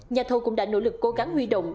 nhà thầu cũng đã nỗ lực cố gắng huy động